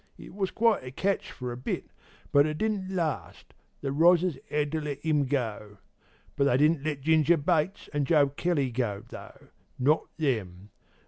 It was quite a catch for a bit, but it didn't last the rozzers 'ad to let 'im go. But they didn't let Ginger Bates an' Joe Kelly go, though not them.